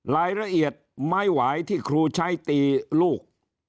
รายละเอียดไม้หวายที่ครูใช้ตีลูก